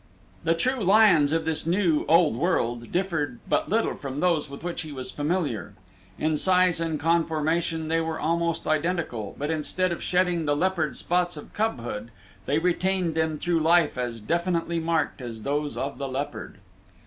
The true lions of this new, Old World differed but little from those with which he was familiar; in size and conformation they were almost identical, but instead of shedding the leopard spots of cubhood, they retained them through life as definitely marked as those of the leopard.